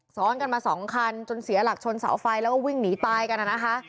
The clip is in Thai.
ซ้อนกันมาสองคันจนเสียหลักชนเสาไฟแล้วก็วิ่งหนีตายกันนะคะ